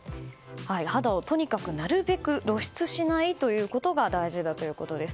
肌をとにかくなるべく露出しないということが大事だということです。